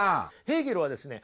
ヘーゲルはですね